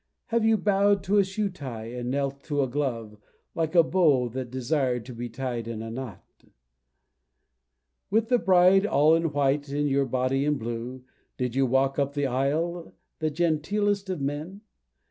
Have you bow'd to a shoe tie, and knelt to a glove, Like a beau that desired to be tied in a knot? With the Bride all in white, and your body in blue, Did you walk up the aisle the genteelest of men?